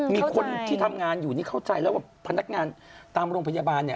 มีคนที่ทำงานอยู่นี่เข้าใจแล้วว่าพนักงานตามโรงพยาบาลเนี่ย